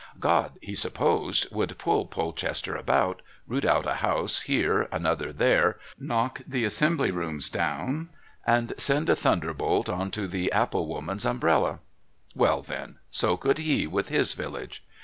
God, he supposed, could pull Polchester about, root out a house here, another there, knock the Assembly Rooms down and send a thunderbolt on to the apple woman's umbrella. Well, then so could he with his village.